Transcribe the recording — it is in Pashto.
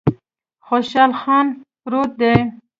خوشحال خان پروت دی